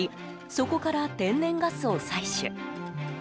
そこから天然ガスを採取。